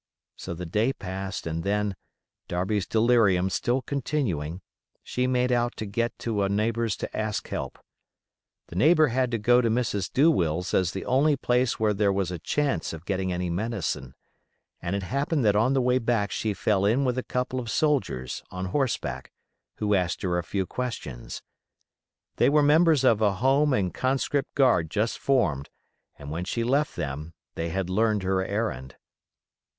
So the day passed and then, Darby's delirium still continuing, she made out to get to a neighbor's to ask help. The neighbor had to go to Mrs. Douwill's as the only place where there was a chance of getting any medicine, and it happened that on the way back she fell in with a couple of soldiers, on horseback, who asked her a few questions. They were members of a home and conscript guard just formed, and when she left them they had learned her errand.